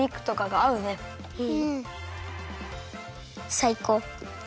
さいこう。